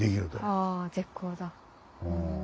あぁ絶好だ。